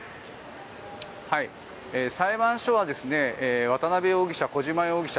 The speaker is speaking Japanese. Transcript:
裁判所は渡邉容疑者、小島容疑者